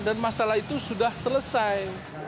dan masalah itu sudah selesai